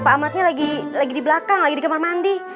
pak ahmadnya lagi di belakang lagi di kamar mandi